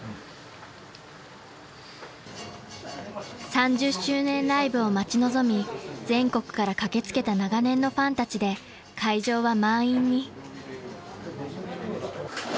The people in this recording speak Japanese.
［３０周年ライブを待ち望み全国から駆け付けた長年のファンたちで会場は満員に］